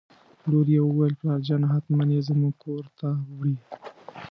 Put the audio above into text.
لور یې وویل: پلارجانه حتماً یې زموږ کور ته وړي.